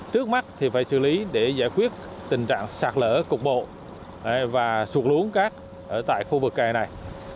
trước mắt thì phải xử lý để giải quyết tình trạng sạt lỡ cục bộ và suột luống các ở tại khu vực kè này